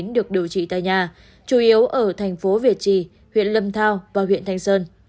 được điều trị tại nhà chủ yếu ở thành phố việt trì huyện lâm thao và huyện thanh sơn